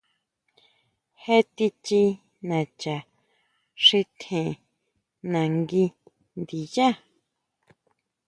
Je tichí nacha xi tjen nangui ndiyá.